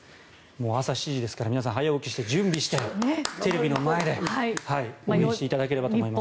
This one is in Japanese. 朝７時ですから皆さん早起きして準備してテレビの前で用意していただければと思います。